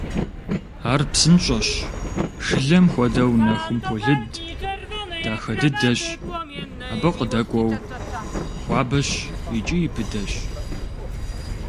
Ар псынщӀэщ, шылэм хуэдэу нэхум полыд, дахэ дыдэщ, абы къыдэкӀуэу хуабэщ икӀи быдэщ.